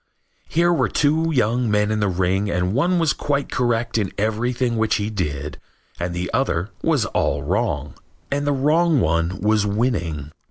Here were two young men in the ring and one was quite correct in everything which he did and the other was all wrong. And the wrong one was winning.